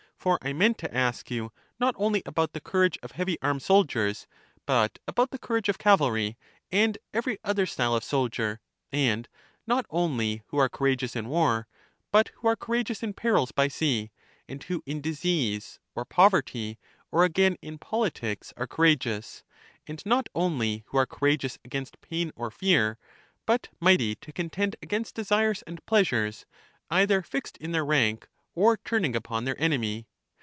For I meant to ask you not only about the courage of heavy armed soldiers, but about the courage of cavalry, and every other style of soldier; and not only who are courageous in war, but who are courageous in perils by sea, and who in disease, or poverty, or again in politics, are courageous ; and not only who are coura geous against pain or fear, but mighty to contend against desires and pleasures, either fixed in their rank or turning upon their enemy.